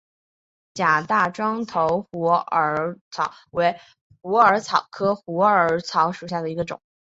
假大柱头虎耳草为虎耳草科虎耳草属下的一个种。